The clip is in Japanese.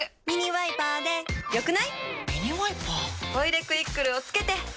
「ミニワイパー」「トイレクイックル」をつけて。